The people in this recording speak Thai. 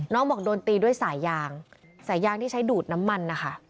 น้องบอกโดนตีด้วยสายยางสายยางที่ใช้ดูดน้ำมันนะคะ